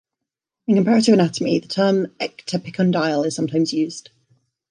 In comparative anatomy, the term "ectepicondyle" is sometimes used.